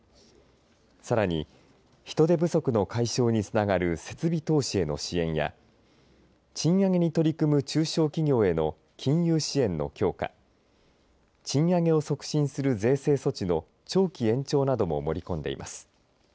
さらに人手不足の解消につながる設備投資への支援や賃上げに取り組む中小企業への金融支援の強化賃上げを促進する税制措置の長期延長なども盛り込んでいます。